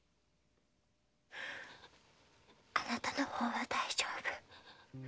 あなたの方は大丈夫。